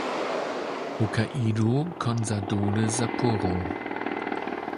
Hokkaido Consadole Sapporo